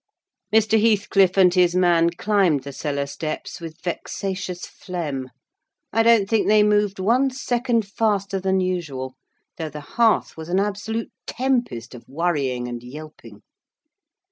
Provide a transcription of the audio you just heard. Mr. Heathcliff and his man climbed the cellar steps with vexatious phlegm: I don't think they moved one second faster than usual, though the hearth was an absolute tempest of worrying and yelping.